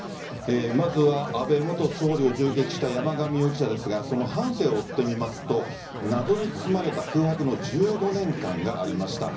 まずは安倍元総理を銃撃した山上容疑者ですがその半生を追ってみますと謎に包まれた空白の１５年間がありました。